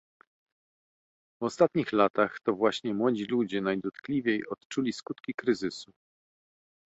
W ostatnich latach to właśnie młodzi ludzie najdotkliwiej odczuli skutki kryzysu